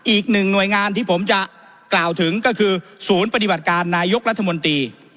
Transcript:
อีกหนึ่งหน่วยงานที่ผมจะกล่าวถึงก็คือศูนย์ปฏิบัติการนายกรัฐมนตรี